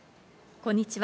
こんにちは。